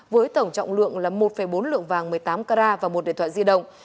với tổng trọng lượng là một bốn lượng vàng một mươi tám carat và một điện thoại di động